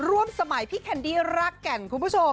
ร่วมสมัยพี่แคนดี้รากแก่นคุณผู้ชม